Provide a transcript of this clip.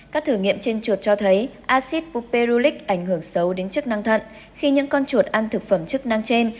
các thử nghiệm trên chuột cho thấy acid puperulic ảnh hưởng xấu đến chức năng thận khi những con chuột ăn thực phẩm chức năng trên